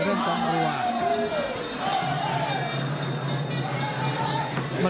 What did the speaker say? ต้องถามสัจใจน้อย